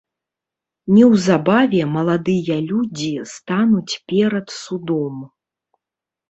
Неўзабаве маладыя людзі стануць перад судом.